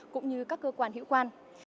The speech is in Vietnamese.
cũng như các cơ quan hữu quan